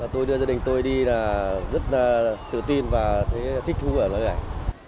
tôi đưa gia đình tôi đi rất tự tin và thích thú ở nơi này